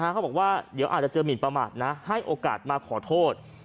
เขาบอกว่าเดี๋ยวอาจจะเจอหมินประมาทนะให้โอกาสมาขอโทษ